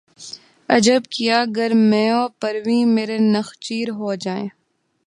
عجب کیا گر مہ و پرویں مرے نخچیر ہو جائیں